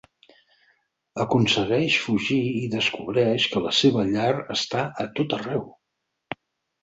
Aconsegueix fugir i descobreix que la seva llar està a tot arreu.